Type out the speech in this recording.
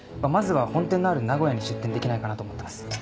まずは本店のある名古屋に出店できないかなと思ってます。